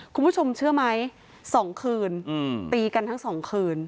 คุณผู้ชมเชื่อไหม๒คืนตีกันทั้ง๒คืน